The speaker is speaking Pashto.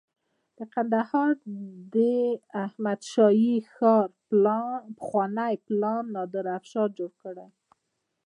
د کندهار د احمد شاهي ښار پخوانی پلان د نادر افشار جوړ کړی